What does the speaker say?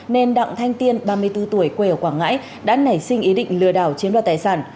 nên đặng thanh tiên ba mươi bốn tuổi quê ở quảng ngãi đã nảy sinh ý định lừa đảo chiếm đoạt tài sản